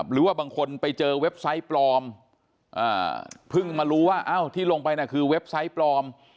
หรือว่าบางคนไปเจอเว็บไซต์ปลอมเพิ่งมารู้ว่าที่ลงไปคือเว็บไซต์ปลอม